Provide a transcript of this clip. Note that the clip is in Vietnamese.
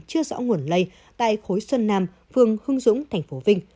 chưa rõ nguồn lây tại khối sơn nam phường hưng dũng thành phố vinh